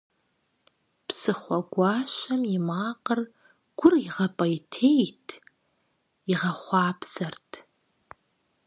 Псыхъуэгуащэм и макъым гур игъэпӏейтейт, игъэхъупсэрт.